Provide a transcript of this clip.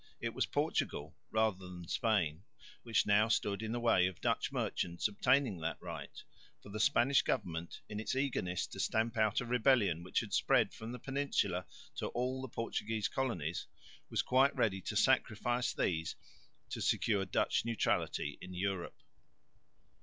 It was Portugal, rather than Spain, which now stood in the way of the Dutch merchants obtaining that right, for the Spanish government, in its eagerness to stamp out a rebellion which had spread from the Peninsula to all the Portuguese colonies, was quite ready to sacrifice these to secure Dutch neutrality in Europe.